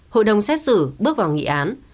hội đồng xét xử bước vào nghị án